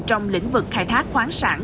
trong lĩnh vực khai thác khoáng sản